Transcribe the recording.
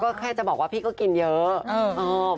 ก็แค่จะบอกว่าพี่ก็กินเยอะ